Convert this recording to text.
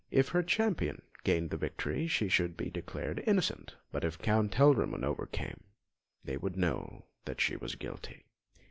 If her Champion gained the victory, she should be declared innocent, but if Count Telramund overcame, they would know that she was guilty.